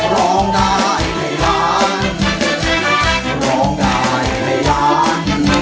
ร้องได้ให้ร้าน